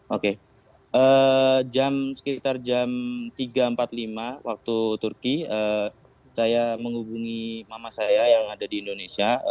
oke sekitar jam tiga empat puluh lima waktu turki saya menghubungi mama saya yang ada di indonesia